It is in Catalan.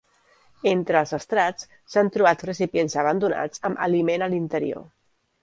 Entre els estrats s'han trobat recipients abandonats amb aliment a l'interior.